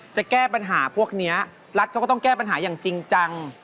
จะแก้ปัญหาพวกนี้รัฐเขาก็ต้องแก้ปัญหาอย่างจริงจัง